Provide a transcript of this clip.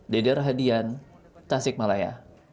dederhadian tasik malaya